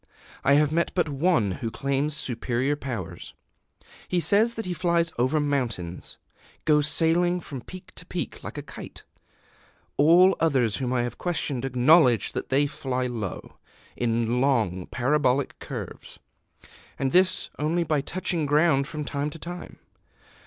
I have met but one who claims superior powers: he says that he flies over mountains goes sailing from peak to peak like a kite. All others whom I have questioned acknowledge that they fly low, in long parabolic curves, and this only by touching ground from time to time.